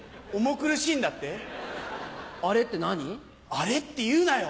アレって言うなよ！